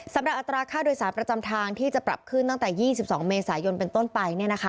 อัตราค่าโดยสารประจำทางที่จะปรับขึ้นตั้งแต่๒๒เมษายนเป็นต้นไป